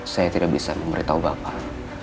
saya tidak bisa memberitahu bapak